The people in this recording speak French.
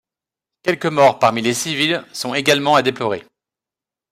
Quelques morts parmi les civils sont également à déplorer.